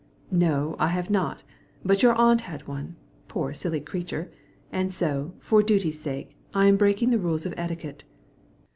"No, I have not; but your aunt had one, poor silly creature, and so, for duty's sake, I am breaking the rules of etiquette.